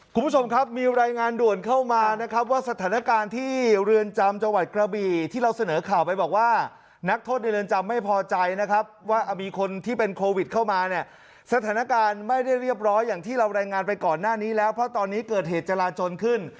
คุณผู้ชมครับมีรายงานด่วนเข้ามานะครับว่าสถานการณ์ที่เรือนจำจังหวัดกระบี่ที่เราเสนอข่าวไปบอกว่านักโทษในเรือนจำไม่พอใจนะครับว่ามีคนที่เป็นโควิดเข้ามาเนี่ยสถานการณ์ไม่ได้เรียบร้อยอย่างที่เรารายงานไปก่อนหน้านี้แล้วเพราะตอนนี้เกิดเหตุจราจนขึ้น